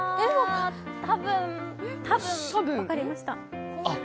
多分、多分分かりました。